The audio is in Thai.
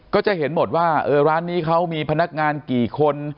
ก็จะเห็นหมดว่าร้านนี้เขามีพนักงานกี่คน